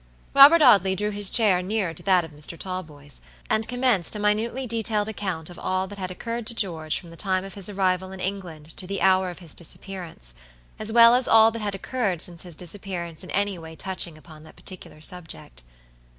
Robert Audley drew his chair nearer to that of Mr. Talboys, and commenced a minutely detailed account of all that had occurred to George from the time of his arrival in England to the hour of his disappearance, as well as all that had occurred since his disappearance in any way touching upon that particular subject.